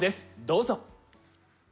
どうぞ！